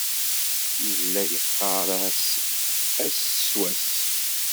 Yella yeɣɣar-as ass s wass.